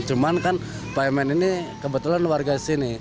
cuman kan pak emen ini kebetulan warga sini